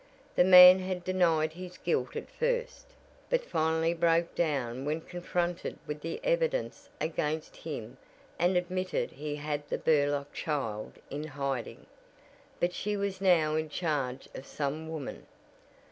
The man had denied his guilt at first, but finally broke down when confronted with the evidence against him and admitted he had the Burlock child in hiding, but she was now in charge of some woman.